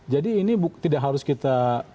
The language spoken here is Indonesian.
jadi ini tidak harus kita